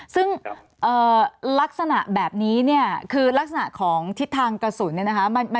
ซึ่งลักษณะแบบนี้เนี่ยคือลักษณะของทิศทางกระสุนเนี่ยนะคะ